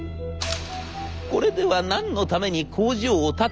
これでは何のために工場を建てたのか分からない。